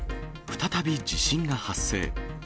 再び地震が発生。